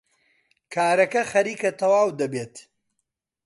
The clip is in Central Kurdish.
کارەکە خەریکە تەواو دەبێت.